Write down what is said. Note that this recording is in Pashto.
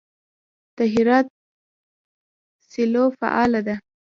د هرات سیلو فعاله ده.